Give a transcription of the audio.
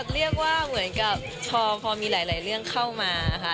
เรียกว่าเหมือนกับพอมีหลายเรื่องเข้ามาค่ะ